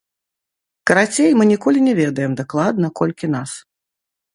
Карацей, мы ніколі не ведаем дакладна, колькі нас.